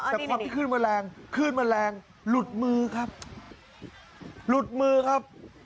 แต่ความที่ขึ้นมันแรงขึ้นมันแรงหลุดมือครับหลุดมือครับ